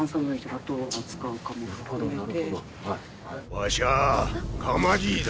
わしゃあ釜爺だ。